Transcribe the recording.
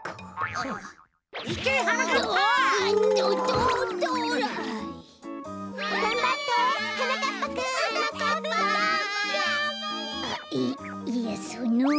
あっえっいやその。